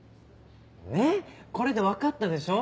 ねっこれで分かったでしょ？